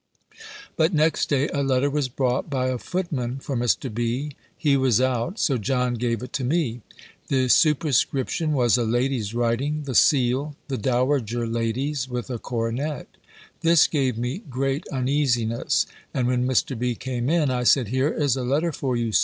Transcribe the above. But next day a letter was brought by a footman for Mr. B. He was out: so John gave it to me. The superscription was a lady's writing: the seal, the Dowager Lady's, with a coronet. This gave me great uneasiness; and when Mr. B. came in, I said, "Here is a letter for you.